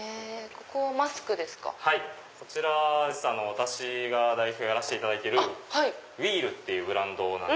私が代表やらせていただいてるウィールっていうブランド。